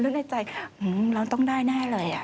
แล้วเริ่มในใจเฮ้ยอือมเราต้องได้แน่เลยอ่ะ